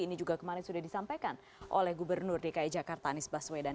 ini juga kemarin sudah disampaikan oleh gubernur dki jakarta anies baswedan